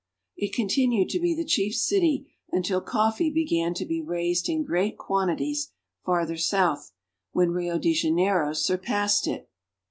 It continued to be the chief city until coffee be gan to be raised in great quantities farther south, when Rio de Janeiro surpassed it.